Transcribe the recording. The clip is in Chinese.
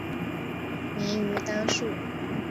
明于丹术。